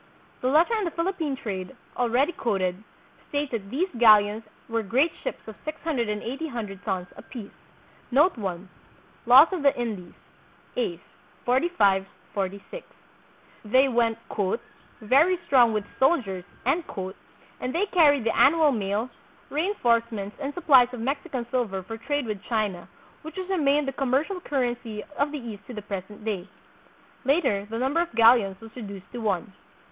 The letter on the Philippine trade, already quoted, states that these galleons were great ships of six hundred and eight hundred tons apiece. 1 They went "very strong with soldiers," and they carried the annual mail, reinforcements, and supplies of Mexican silver for trade with China, which has remained the commercial currency of the East to the present day. Later the num ber of galleons was reduced to one.